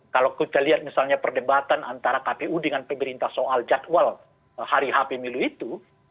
kalau kita lihat misalnya perdebatan antara kpu dengan pemerintah soal jadwal hari h pemilu itu